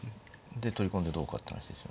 で取り込んでどうかって話ですよね。